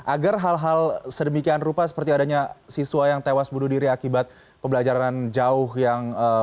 agar hal hal sedemikian rupa seperti adanya siswa yang tewas bunuh diri akibat pembelajaran jauh yang